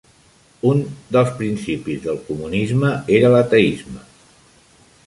Un els principis del comunisme era l'ateisme.